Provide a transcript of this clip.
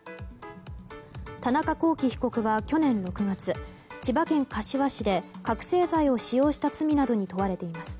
田中聖被告は去年６月千葉県柏市で覚醒剤を使用した罪などに問われています。